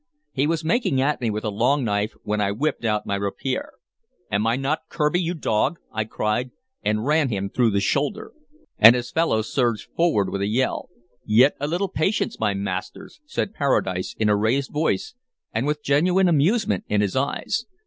He was making at me with a long knife, when I whipped out my rapier. "Am I not Kirby, you dog?" I cried, and ran him through the shoulder. He dropped, and his fellows surged forward with a yell. "Yet a little patience, my masters!" said Paradise in a raised voice and with genuine amusement in his eyes.